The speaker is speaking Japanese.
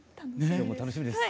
今日も楽しみです。